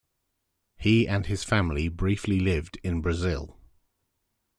He and his family briefly lived in Brazil.